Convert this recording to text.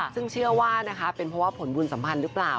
ซึ่งเชื่อว่านะคะเป็นเพราะว่าผลบุญสัมพันธ์หรือเปล่า